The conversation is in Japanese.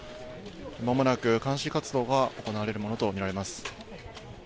まもなく鑑識活動が行われるものと見られます。